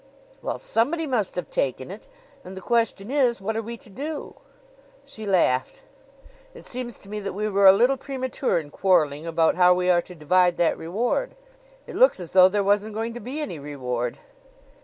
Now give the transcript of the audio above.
"Well, somebody must have taken it; and the question is, what are we to do?" She laughed. "It seems to me that we were a little premature in quarreling about how we are to divide that reward. It looks as though there wasn't going to be any reward."